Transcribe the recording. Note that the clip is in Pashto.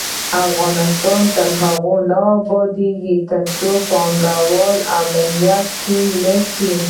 افغانستان تر هغو نه ابادیږي، ترڅو د پانګه والو امنیت ټینګ نشي.